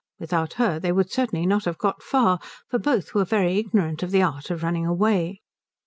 Without her they would certainly not have got far, for both were very ignorant of the art of running away.